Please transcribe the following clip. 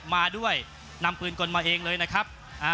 มาด้วยนำปืนกลมาเองเลยนะครับ